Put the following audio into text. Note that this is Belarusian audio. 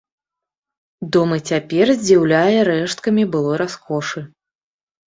Дом і цяпер здзіўляе рэшткамі былой раскошы.